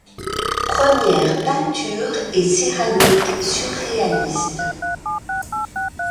Premières peintures et céramiques surréalistes.